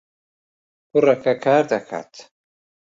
کوڕەکە کار دەکات.